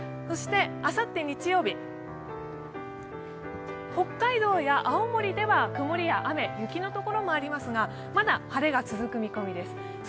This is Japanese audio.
あさって日曜日、北海道や青森では曇りや雨、雪のところもありますが、まだ晴れが続く見込みです。